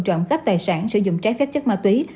trộm cắp tài sản sử dụng trái phép chất ma túy